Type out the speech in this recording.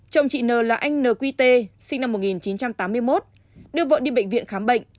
chồng chị n là anh n quy t sinh năm một nghìn chín trăm tám mươi một đưa vợ đi bệnh viện khám bệnh